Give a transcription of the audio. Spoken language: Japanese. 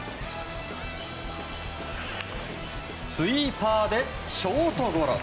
スイーパーでショートゴロ。